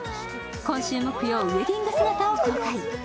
今週木曜、ウエディング姿を公開。